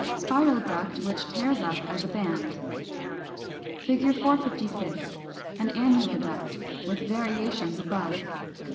Spiral duct which tears up as a band. 456. An annular duct, with variations above.